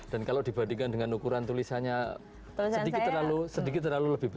dan kalau dibandingkan dengan ukuran tulisannya sedikit terlalu sedikit terlalu lebih besar